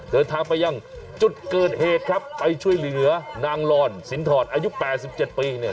เดินทางไปยังจุดเกิดเหตุครับไปช่วยเหลือนางลอนสินถอดอายุ๘๗ปีเนี่ย